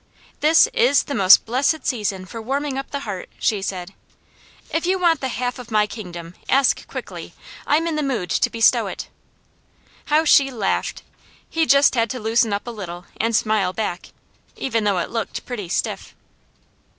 "This IS the most blessed season for warming up the heart," she said. "If you want the half of my kingdom, ask quickly. I'm in the mood to bestow it." How she laughed! He just had to loosen up a little, and smile back, even though it looked pretty stiff.